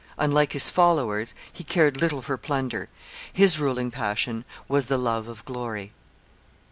Unlike his followers, he cared little for plunder: his ruling passion was the love of glory.